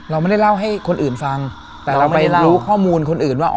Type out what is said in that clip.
เราไม่ได้เล่าให้คนอื่นฟังแต่เราไม่รู้ข้อมูลคนอื่นว่า